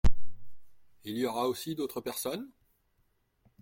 Il y aura aussi d’autres personnes ?